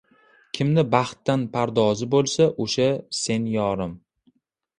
Kimni baxtdan pardozi bo‘lsa – o‘sha sen yorim